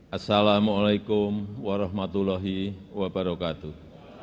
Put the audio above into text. assalamu'alaikum warahmatullahi wabarakatuh